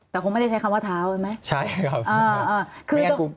แต่คงไม่ได้ใช้คำว่าเท้าใช่ไหมใช่ครับ